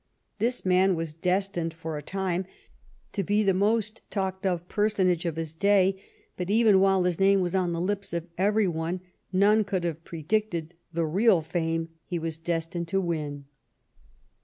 This man was destined, for a time, to be the most talked of personage of his day, but even while his name was on the lips of every one, none could have predicted the real fame he was destined to win.